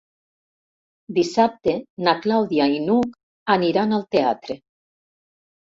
Dissabte na Clàudia i n'Hug aniran al teatre.